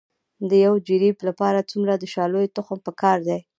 د یو جریب لپاره څومره د شالیو تخم پکار دی؟